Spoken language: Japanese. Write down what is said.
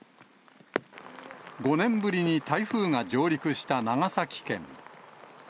５年ぶりに台風が上陸した長崎県。